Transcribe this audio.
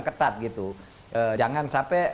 sangat berat gitu jangan sampai